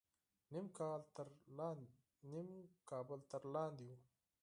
نیم کابل تر لاندې و.